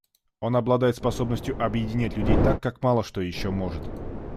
Он обладает способностью объединять людей так, как мало что еще может.